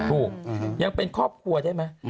ถูกยังเป็นครอบครัวได้มั้ย